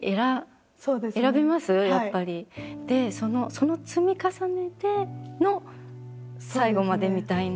その積み重ねでの最後までみたいな。